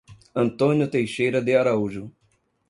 Antônio Teixeira de Araújo